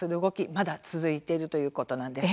まだ続いているということなんです。